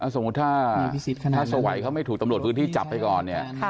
สมมุติถ้าสวัยเขาไม่ถูกตำรวจพื้นที่จับไปก่อนเนี่ย